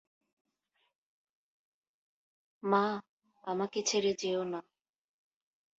মা, আমাকে ছেড়ে যেয়ো না।